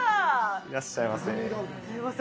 いらっしゃいませ。